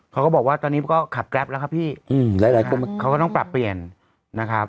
เขาก็บอกว่าตอนนี้ก็ขับแล้วค่ะพี่อืม๓๒คนที่เค้าต้องปรับเปลี่ยนนะครับ